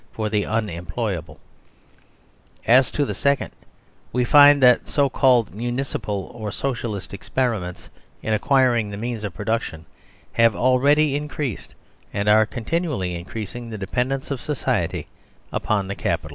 for the " unemployable" As to thesecond, we find that so called " Municipal" or "Socialist" experiments in acquiring the means of production have ALREADY increased and are con tinually increasing the dependence of society upon the Capitalist